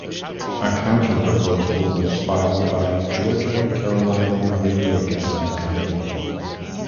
A counterproposal was filed by Georgia Carolina Radiocasting Company.